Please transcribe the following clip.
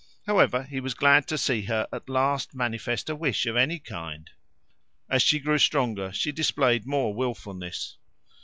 However, he was glad to see her at last manifest a wish of any kind. As she grew stronger she displayed more wilfulness.